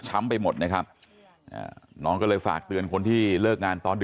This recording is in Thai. ไปหมดนะครับน้องก็เลยฝากเตือนคนที่เลิกงานตอนดึ